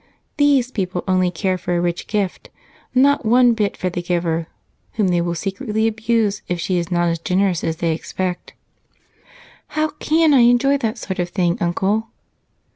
These people care only for a rich gift, not one bit for the giver, whom they will secretly abuse if she is not as generous as they expect. How can I enjoy that sort of thing, Uncle?"